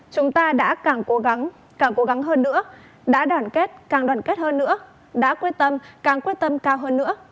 chúng ta đã càng cố gắng càng cố gắng hơn nữa đã đoàn kết càng đoàn kết hơn nữa đã quyết tâm càng quyết tâm cao hơn nữa